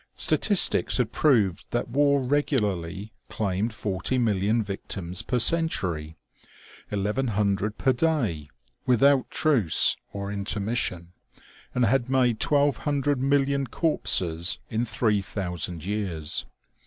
Statistics had proved that war regularly claimed forty million victims per century, noo per day, without truce or intermission, and had made 1200 million corpses in three thousand years.